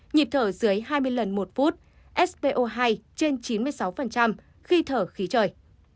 nhịp thở dưới hai mươi lần một phút spo hai trên chín mươi sáu khi thở khí trời